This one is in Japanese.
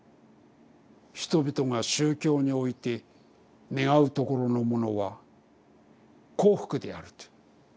「人々が宗教においてねがうところのものは幸福である」という。